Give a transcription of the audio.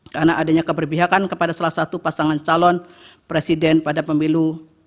karena adanya keperbihakan kepada salah satu pasangan calon presiden pada pemilu dua ribu dua puluh empat